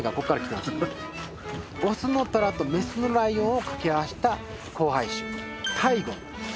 オスのトラとメスのライオンを掛け合わせた交配種タイゴン。